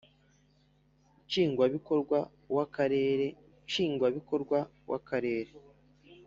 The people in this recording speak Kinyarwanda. Nshingwabikorwa w akarere nshingwabikorwa w akarere